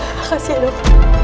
makasih ya dok